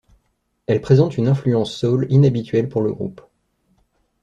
Elle présente une influence soul inhabituelle pour le groupe.